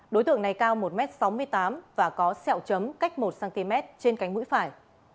đối tượng này cao một m sáu mươi tám và có sẹo chấm cách một cm trên cánh mũi phải